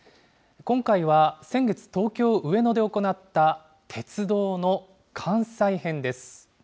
今回は先月、東京・上野で行った鉄道の関西編です。